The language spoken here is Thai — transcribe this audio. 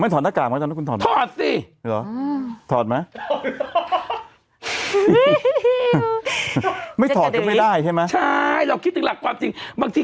ทำไมคุณทำตัวอย่างนี้